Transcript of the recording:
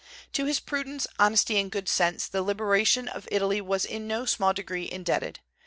To his prudence, honesty, and good sense, the liberation of Italy was in no small degree indebted.